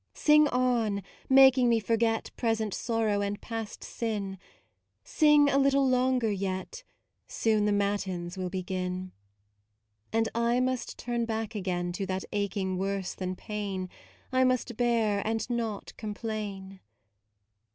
Sing on, making me forget Present sorrow and past sin; Sing a little longer yet : Soon the matins will begin : And I must turn back again To that aching worse than pain I must bear and not complain.